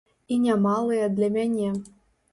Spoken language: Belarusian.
І немалыя для мяне.